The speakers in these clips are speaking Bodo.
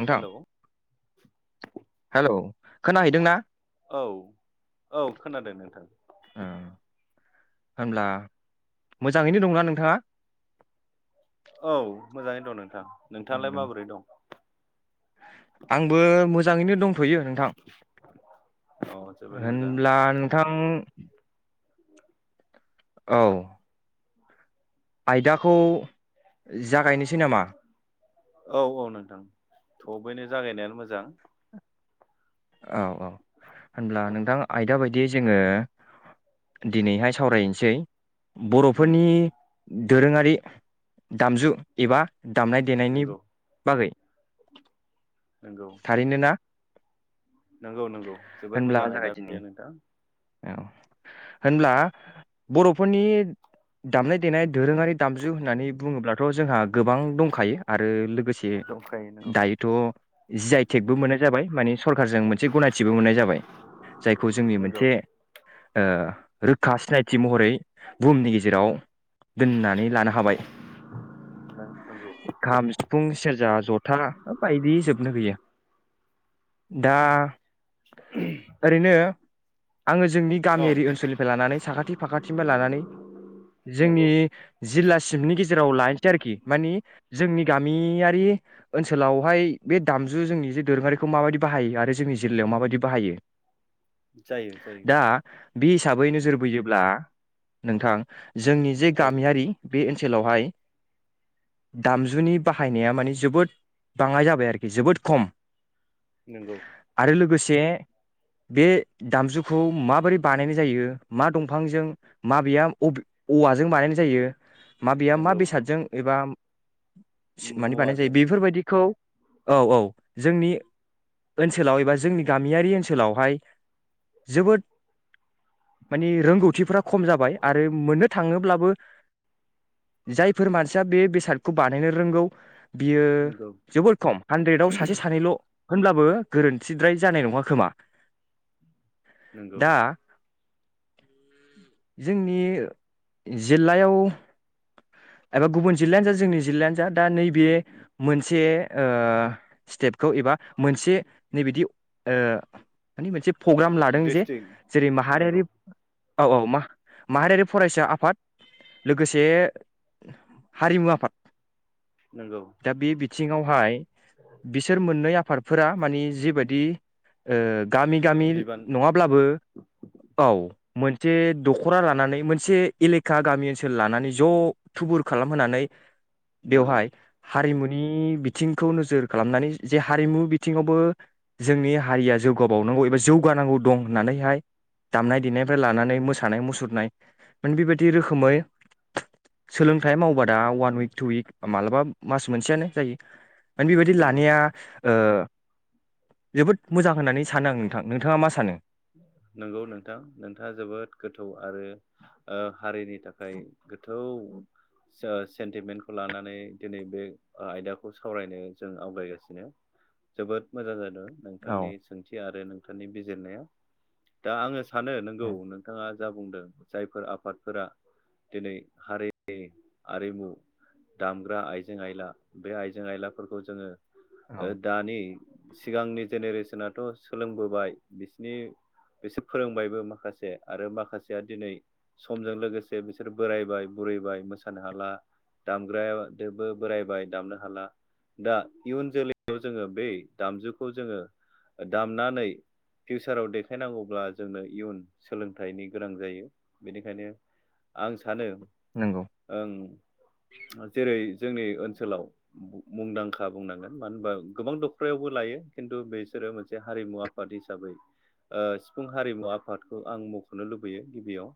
नोंथां हेलौ हेलौ। खोनाहैदों ना? औ औ खोनादों नोंथां। ओ होनब्ला मोजाङैनो दंना नोंथांङा? औ मोजाङैनो दं नोंथां। नोंथांङालाय माबोरै दं? आंबो मोजाङैनो दंथयो नोंथां अ जोबोद मोजां होनब्ला नोंथां [inaudible] औ। आयदाखौ जागायनोसै नामा। औ औ नोंथां थबैनो जागायनायानो मोजां। औ औ। होनब्ला नोंथां आयदा बायदि दि जोंङो दिनैहाय सावरायनोसै उम बर'फोरनि दोरोंङारि दामजु एबा दामनाय देनायनि नंगौ बागै नंगौ। थारैनो ना नंगौ नंगौ जोबोद होनब्ला मोजां आयदा जागायदिनि बेयो नोंथां। औ होनब्ला बर'फोरनि दामनाय देनाय दोरोङारि दामजु होननानै बुङोब्लाथ जोंहा गोबां दंखायो आरो लोगोसे दंखायो नंगौ दायोथ जि आइ टेकबो मोननाय जाबाय माने सरखारारजों मोनसे गनायथिबो मोननाय जाबाय जायखौ जोंनि नंगौ मोनसे ओ रोखा सिनायथि महरै बुहुमनि गेजेराव दोननानै लानो हाबाय नंगौ खाम सिफुं सेरजा जथा ओ बायदि जोबनो गैया दा ओरैनो आंङो जोंनि औ गामियारि ओनसोलनिफ्राय लानानै साखाथि फाखाथिनिफ्राय लानानै जोंनि नंगौ जिल्ला सिमनि गेजेराव लानोसै आरोखि मानि जोंनि गामियारि ओनसोलावहाय बे दामजु जोंनि जे दोरोङारिखौ माबायदि बाहायो आरो जोंनि जिल्लायाव माबायदि बाहायो जायो जायो दा बे हिसाबै नोजोर बोयोब्ला नोंथां जोंनि जे औ गामियारि बे ओ ओनसोलावहाय दामजुनि बाहायनाया मानि जोबोद बाङाय जाबाय आरोखि जोबोद खम नंगौ आरो लोगोसे बे दामजु खौ माबोरै बानायनाय जायो मा दंफांजों माबैया औवाजों बानायनाय जायो माबेया मा नंगौ बेसादजों एबा माने बानाय जायो मुवाजों बेफोरबायदिखौ औ औ जोंनि ओनसोलाव एबा जोंनि गामियारि ओनसोलावहाय जोबोद माने रोंगौथिफ्रा खम जाबाय आरो मोननो थाङोब्लाबो जायफोर मानसिया बे बेसादखौ बानायनो रोंगौ बियो नंगौ जोबोर खम हानद्रेदाव सासे सानैल' होनब्लाबो गोरोन्थिद्राय जानाय नङा खोमा। नोंगौ दा जोंनि जिल्लायाव एबा गुबुन जिल्लानो जा जोंनि जिल्लायानो जा दा नै बे मोनसे ओ स्टेदखौ एबा मोनसे नै बिदि ओ मानि मोनसे प्रग्राम लादों जे डिस्ट्रिक्ट जेरै नंगौ माहारियारि औ औ मा-माहारियारि फरायसा आफाद लोगोसे हारिमु आफाद नंगौ थिङावहाय बिसोर मोननै आफ आफादफोरा मानि जिबायदि ओ गामि गामि बिबान नङाब्लाबो औ मोनसे दख'रा लानानै मोनसे एलेखा गामि ओनसोल लानानै ज' थुबुर खालामहोनानै नंगौ बेवहाय हारिमुनि नि बिथिंखौ नोजोर खालामनानै जे हारिमु बिथिङावबो जोंनि हारिया जौगाबावनांगौ एबा जौगानांगौ दं होननानैहाय दामनाय देनायनिफ्राय लानानै मोसानाय मुसुरनाय मान बेबायदि रोखोमै सोलोंथाइ मावबा दा अवान उइक टु उविक मालाबा मास मोनसेयानो जायो। मान बेबायदि नंगौ लानाया ओ जोबोद मोजां होननानै सानो आं नोंथां नोंथाङा मा सानो? नंगौ नोंथां नोंथाङा जोबोद गोथौ आरो ओ हारिनि थाखाय गोथौ से सेन्टिमेन्टखौ लानानै दिनै बे ओ आयदाखौ सावरायनो जों आवगायगासिनो जोबोद मोजां जादों। औ नोंथांनि सोंथि आरो नों थांनि बिजिरनायाव दा आङो सानो नोंगौ नोंथाङा जा बुंदों जायफोर आफादफोरा दिनै हारिनि आरिमु दामग्रा आइजें आइला बे आइजें आइलाफोरखौ जोङो। औ ओ दानि सिगांनि जेनेरेसनाथ' सोलोंबोबाय बि नि बिसोर फोरोंबायबो माखासे आरो माखासेया दिनै समजों लोगोसे बिसोर बोरायबाय बुरैबाय मोसानो हाला दामग्रादोबो बोरायबाय दामनो हाला दा इयुन जोलैयाव जोङो बे दामजुखौ जोङो दामनानै। फिउसाराव देखायनांगौब्ला जोंनो इयुन सोलोंथाइनि गोनां जायो बेनिखायनो आं सानो नंगौ ओं जेरै- जोंनि ओनसोलाव मुंदांखा बुंनांगोन मानो होनबा गोबां दखरायावबो लायो खिन्थु बिसोरो मोनसे हारिमु आफाद हिसाबै हिसाबै ओ सिफुं हारिमु आफादखौ आं मख'नो लुबैयो गिबियाव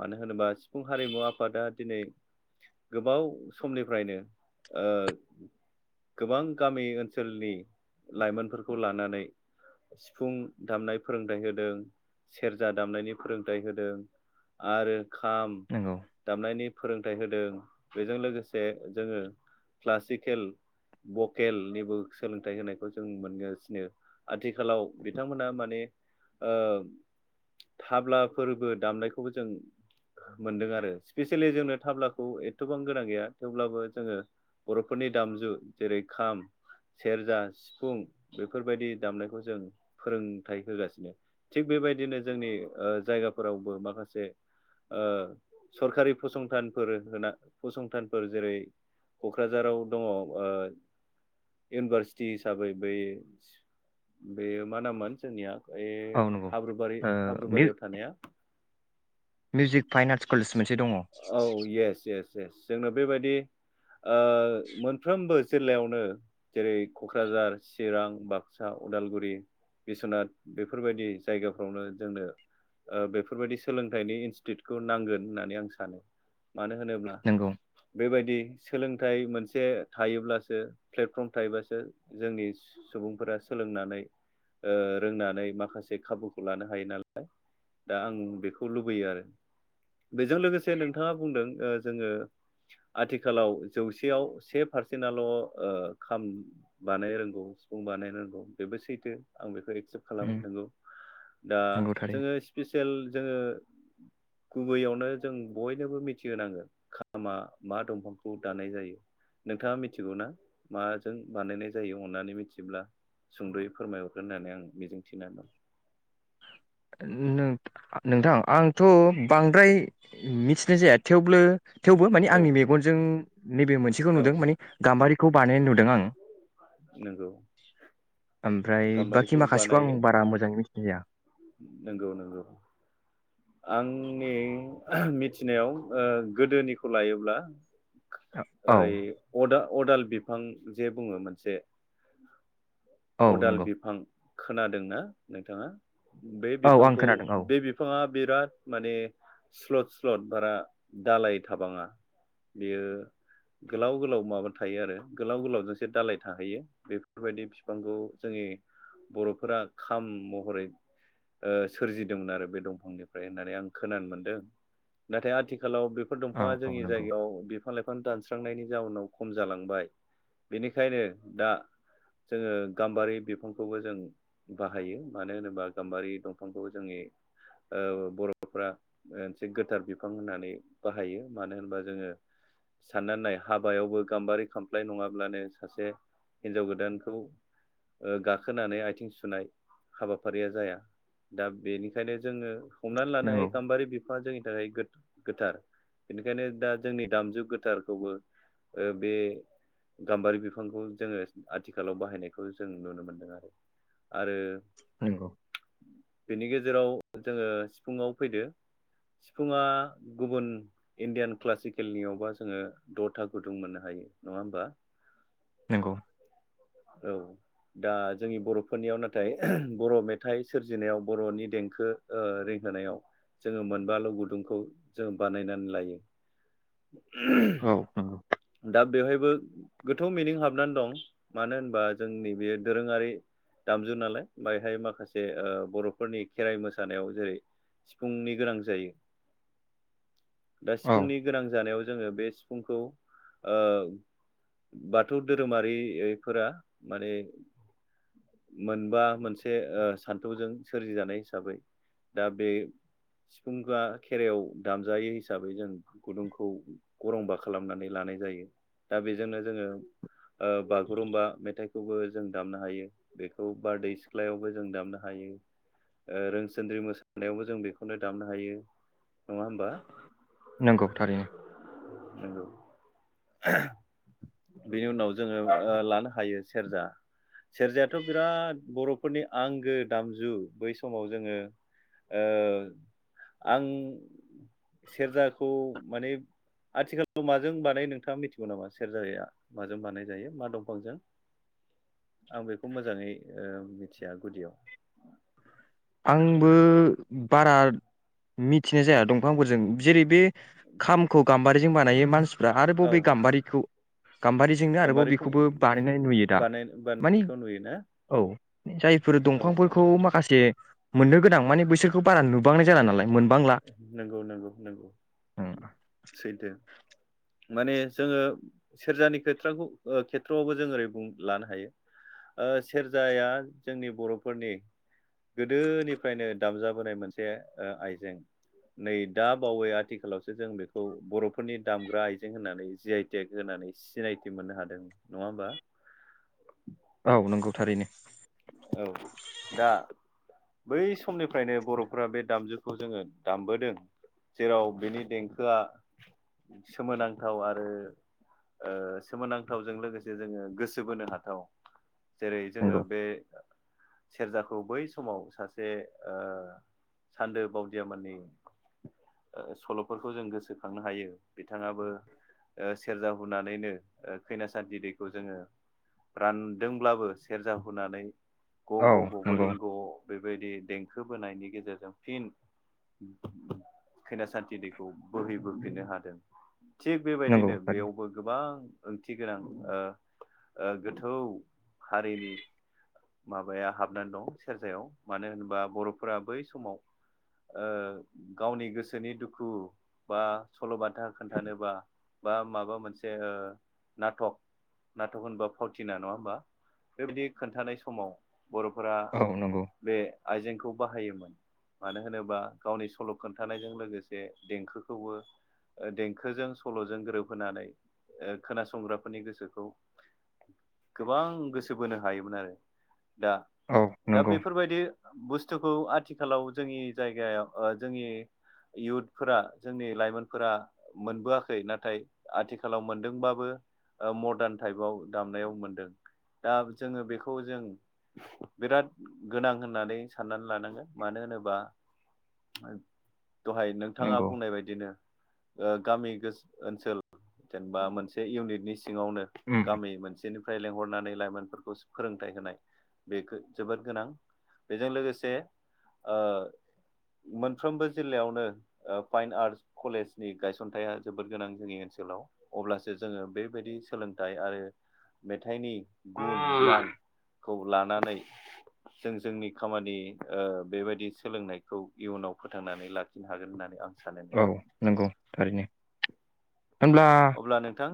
मानो होनोबा सिफुं हारिमु आफादा दिनै गोबाव समनिफ्रायनो ओ गोबां गामि ओनसोलनि लाइमोनफोरखौ लानानै सिफुं दामनाय फोरोंथाइ होदों सेरजा दामनायनि फोरोंथाइ होदों आरो खाम नंगौ दामनायनि फोरों सोलोंथाइ होदों बेजों लोगोसे जोङो क्लासिकेल भकेलनिबो सोलोंथाइ होनायखौ जों मोनगासिनो आथिखालाव बिथांमोनहा माने ओ थाब्लाफोरबो दामनायखौबो जों मोनदों आरो स्पेसियेलि जोंनो थाब्लाखौ एथ'बां गोनां गैया थेवब्लाबो जोङो बर'फोरनि दामजु जेरै खाम सेरजा सिफुं बेफोरबायदि दामनायखौ जों फोरोंथाइ होगासिनो थिग बेबायदिनो जोंनि ओ जायगाफोरावबो माखासे ओ सरखारि फसंथानफोर होना फसंथानफोर जेरै क'क्राझाराव दङ ओ इउनिभारसिटि हिसाबै बै बे मा नाममोन जोंनिया ए औ नंगौ हाब्रुबारि ओ हाब्रुबारियाव थानाया मिउजिक फाइन आर्टस कलेज मोनसे दङ औ येस येस जोंनो बेबायदि ओ मोनफ्रोमबो जिल्लायावनो जेरै क'क्राझार चिरां बाक्सा उदालगुरि बिस्वनाथ बेफोरबायदि जायगाफ्रावनो जोंनो ओ बेफोरबायदि सोलोंथाइनि इनस्टिटिउटखौ नांगोन होननानै आं सानो सानो मानो होनोब्ला नंगौ बेबायदि सोलोंथाइ मोनसे थायोब्लासो प्लेटफर्म थायोब्लासो जोंनि सुबुंफोरा सोलोंनानै ओ रोंनानै माखासे खाबुखौ लानो हायो नालाय दा आं बेखौ लुबैयो आरो बेजों लोगोसे से नोंथाङा बुंदों ओ जोङो आथिखालाव जौसेयाव से पारसेन्टल' ओ खाम बानाय रोंगौ सिफुं बानाय रोंगौ बेबो सैथो आं बेखौ एक्सेप्ट खालामो नंगौ दा नंगौ थारै जोङो स्पिसियेल जोङो गुबैयावनो जों बयनोबो मिथिहोनांगोन खामा मा दंफांखौ दानाय जायो नोंथाङा मिथिगौना माजों बानायनाय जायो अन्नानै मिथिब्ला सुंद'यै फोरमायहरगोन होननानै आं मिजिंथिना दं। नों नोंथां आंथ' बांद्राय मिथिनाय जाया थेवब्लो थेवबो माने आंनि औ मेगनजों नैबे मोनसेखौ नुदों माने औ गाम्बारि बानाय नुदों दों आं नंगौ ओमफ्राय गाम्बारिखौ बाखि माखासेखौ आं बानायो बारा मोजाङै मिथिनाय जाया। नंगौ नंगौ आंनि मिथिनायाव ओ गोदोनिखौ लायोब्ला औ ओइ अदा अदाल बिफां जे बुङो मोनसे औ अदाल नंगौ बिफां खोनादोंना नोंथाङा? बे औ आं बिफांखौ खोनादों औ बे बिफाङा बिराद माने स्लद स्लद बारा दालाय थाबाङा। बेयो गोलाव गोलाव माबा थायो आरो गोलाव गोलावजोंसो दालाय थाहैयो बेफोरबायदि बिफांखौ जोंनि बर'फोरा खाम महरै सोरजिदोंमोन ओ आरो बे दंफांजों। ओमफ्राय होननानै आं खोनानो मोनदों नाथाय आथि खालाव बेफोर औ दंफाङा औ जोंनि नंगौ जायगायाव बिफां लाइफां दानस्रांनायनि जाउनाव खम जालांबाय। बेनिखायनो दा जोङो गाम्बारि बिफांखौबो जों बाहायो। मानो होनोबा गाम्बारि दंफांखौ जोंनि ओ बर'फ्रा मोनसे गोथार बिफां होननानै बाहायो। मानो होनबा जोङो साननानै नाय हाबायावबो गाम्बारि खामफ्लाय नङाब्लानो सासे हिनजाव गोदानखौ ओ गाखोनानै आथिं सुनाय हाबाफारिया जाया। दा बेनिखायनो जोङो हमनानै लानो हायो नंगौ गाम्बारि बिफाङा जोंनि थाखाय गो-गोथार। बेनिखायनो दा जोंनि दामजु गोथारखौबो ओ बे गाम्बारि बिफांखौ जोङो आथिखालाव बाहायनायखौ जों नुनो मोनदों आरो। आरो नंगौ बेनि गेजेराव जोङो सिफुङाव फैदो। सिफुङा गुबुन इणडियान क्लासिकेलनियावबा जोङो द'था गुदुं मोननो हायो नङा होमबा नंगौ औ दा जोंनि बर'फोरनियाव नाथाय बर' मेथाइ सोरजिनायाव बर'नि देंखो ओ रिंहोनायाव जोङो मोनबाल' गुदुंखौ जोङो बानायनानै लायो। औ नंगौ दा बेवहाय बो गोथौ मिनिं हाबनानै दं। मानो होनबा जोंनि बे दोरोङारि दामजु नालाय बायहाय माखासे बर'फोरनि खेराइ मोसानायाव जेरै सिफुंनि गोनां जायो दा औ सिफुंनि गोनां जानायाव जोङो बे सिफुंखौ ओ बाथौ धोरोमारि फोरा माने मोनबा मोनसे ओ सान्थौजों सोरजिजानाय हिसाबै दा बे सिफुंआ खेराइयाव दामजायो हिसाबै जों गुदुंखौ गरंबा खालामनानै लानाय जायो। दा बेजोंनो जोङो ओ बा गुरुम्बा मेथाइखौबो जों दामनो हायो। बेखौ बारदै सिख्लायावबो जों दामनो हायो। रोनसोनद्रि मोसानायावबो जों बेखौनो दामनो हायो। नङा होमबा नंगौ थारैनो नोंगौ [inaudible] बेनि उनाव जोङो ओ लानो हायो सेरजा। सेरजायाथ' बिराद बर'फोरनि आंगो दामजु। बै समाव जोङो ओ आं सेरजाखौ माने आथिखालाव माजों बानायो नोंथाङा मिथिगौ नामा? सेरजाया माजों बानाय जायो मा दंफांजों आं बेखौ मोजाङै ओ मिथिया गुदियाव। आंबो बारा मिथिनाय जाया दंफांफोरजों जेरै बे खामखौ गाम्बारिजों बानायो मानसि फ्रा आरोबाव औ बे गाम्बारिखौ गाम्बारिजोंनो आरोबाव गाम्बारिखौ बेखौबो बानायनाय नुयो दा। बानाय मानि बानायनायखौ नुयोना औ जायफोर औ औ दंफांफोरखौ माखासे मोननो गोनां मान बैसोरखौ बारा नुबांनाय जानला नालाय मोन नोंगौ नोंगौ नोंगौ उम, सैथो। माने जोङो सेरजानि खोथ्राखौ खेथ्र'आवबो जों ओरै बुं लानो हायो सेरजाया जोंनि बर'फोरनि गोदोनिफ्रायनो दामजाबोनाय मोनसे आइजें। नै दा बावै आथिखालावसो जों बेखौ बर'फोरनि दामग्रा आइजें होननानै जि आइ टेक होननानै सिनायथि मोननो हादों। नङा होमबा? औ नंगौ थारैनो। औ, दा बै समनिफ्रायनो बर'फ्रा बे दामजुखौ जोङो दामबोदों। जेराव बेनि देंखोआ सोमोनांथाव आरो ओ सोमोनांथावजों लोगोसे जोङो गोसो बोनो हाथाव। जेरै जोङो नंगौ बे सेरजाखौ बै समाव सासे ओ सान्दो बावदियामोननि ओ सल'फोरखौ जों गोसोखांनो हायो। बिथाङाबो ग' औ ग' नंगौ गगलिंग' बे बेबायदि देंखो बोनायनि गेजेरजों फिन खैनासान्थि दैखौ बोहैबोफिननो हादों। थिग नंगौ बेबायदिनो थारैनो बेयावबो गोबां ओंथि गोनां ओ ओ गोथौ हारिनि माबाया हाबनानै दं सेरजायाव मानो होनोबा बर'फोरा बै समाव गावनि गोसोनि दुखु बा सल'बा था खोन्थानोबा बा माबा मोनसे ओ नाथक नाथक होनबा फावथिना नङा होमबा बेबायाददि खोन्थानाय सम समाव बर'फोरा औ नंगौ बे आइजेंखौ बाहायोमोन। मानो होनोबा गावनि सल' खोन्थानायजों लोगोसे देंखोखौबो देंखोजों सल'जों गोरोबहोनानै खोनासंग्राफोरनि गोसोखौ गोबां गोसो बोनो हायोमोन आरो। दा औ दा नंगौ बेफोरबायदि बुस्थु स्थुखौ आथिखालाव ओ जोंनि जायगायाव जोंनि इयुथफोरा जोंनि लाइमोनफोरा मोनबोआखै नाथाय आथिखालाव मोनदोंबबो मदार्न टाइपाव दामनायाव मोनदों। दा जोङो बेखौ खौ जों बिराद गोनां होननानै साननानै लानांगोन मानो होनोबा दहाय नोंथाङा नंगौ बुंनाय बायदिनो ओ गामि गोस ओनसोल जेनेबा मोनसे इउनिटनि सि ङावनो उम गामि मोनसेनि फ्राय लेंहरनानै लाइमोनफोरखौ फोरोंथाइ होनाय। बेखो जोबोर गोनां। बेजों लोगोसे ओ मोनफ्रोमबो जिल्लायावनो ओ फाइन आर्टस कलेजनि गायसनथाइया जोबोर गोनां जोंनि ओनसोलाव अब्लासो जोङो बेबायदि सोलोंथाइ आरो मेथाइनि औ गुन गियान खौ लानानै जों जोंनि खामानि ओ बेबायदि सोलोंनाय औ नंगौ थारैनो। होनब्ला अब्ला नोंथां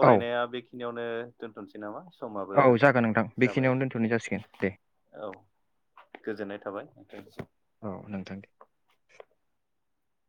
औ बेखि बियावनो दोन्थ'नोसै नामा? समाबो औ जागोन नोंथां जाबाय बेखिनियावनो दोनथ'नाय जासिगोन दे औ गोजोननाय थाबाय नोंथां औ नोंथां दे।